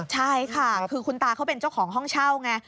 ใช่ค่ะคือคุณตาเขาเป็นเจ้าของห้องเช่าไง